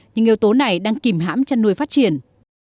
nhưng yếu tố này đang kìm hãm chăn nuôi phát triển